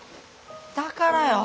だからよ。